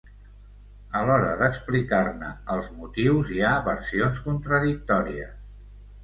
A l'hora d'explicar-ne els motius hi ha versions contradictòries.